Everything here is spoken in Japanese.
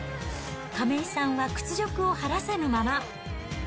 亀井さんは屈辱を晴らせぬまま。